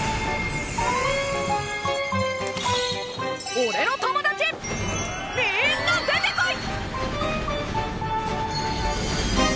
俺の友達みんな出てこい！